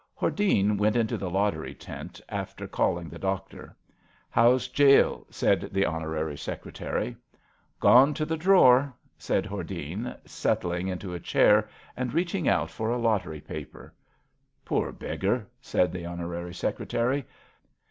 Hordene went into the lottery tent, after calling the doctor. *^ How's Jale? *' said the Honorary iSecretary. *' Gone to the drawer, '' said Hordene, settling into a chair and reaching out for a lottery paper. Poor beggar!'' said the Honorary Secretary.